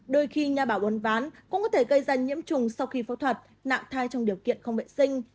đôi khi nhà bảo uốn ván cũng có thể gây ra nhiễm trùng sau khi phẫu thuật nặng thai trong điều kiện không vệ sinh